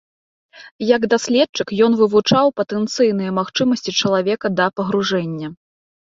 Як даследчык, ён вывучаў патэнцыйныя магчымасці чалавека да пагружэння.